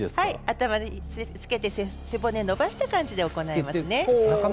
頭をつけて背骨を伸ばした感じで行います。